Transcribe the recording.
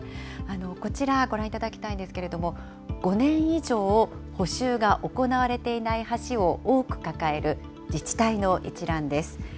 こちらご覧いただきたいんですけれども、５年以上補修が行われていない橋を多く抱える自治体の一覧です。